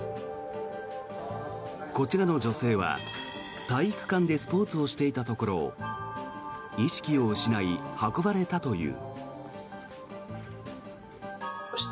こちらの女性は体育館でスポーツをしていたところ意識を失い、運ばれたという。